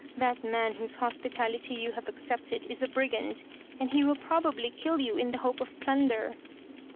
That man whose hospitality you have accepted is a brigand and he will probably kill you in the hope of plunder."